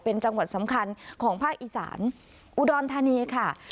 เป็นจังหวัดสำคัญของภาคอีสานอุดรธานีค่ะ